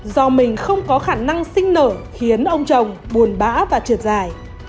do mình không có khả năng sinh nở khiến ông chồng buồn bã và trượt dài